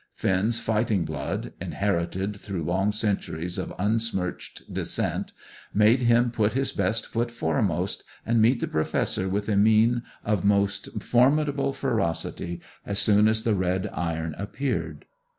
Finn's fighting blood, inherited through long centuries of unsmirched descent, made him put his best foot foremost, and meet the Professor with a mien of most formidable ferocity as soon as the red iron appeared.